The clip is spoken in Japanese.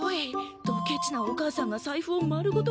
ドケチなお母さんがさいふを丸ごと